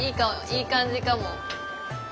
いい感じかも。